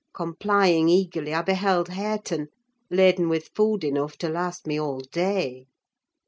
Complying eagerly, I beheld Hareton, laden with food enough to last me all day.